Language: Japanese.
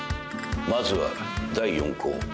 まずは第４稿。